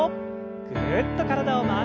ぐるっと体を回して。